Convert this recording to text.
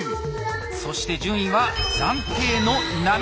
そして順位は暫定の７位です。